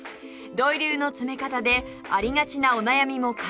土井流の詰め方でありがちなお悩みも解消！